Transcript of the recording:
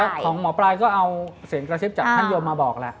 แล้วคุณหมอปรายก็เอาเสียงกระชิปจากท่านยมมาบอกแหละ